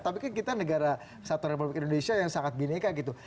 tapi kan kita negara satu republik indonesia yang sangat bineka gitu